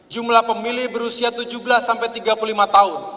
jumlah pemilih berusia tujuh belas sampai tiga puluh lima tahun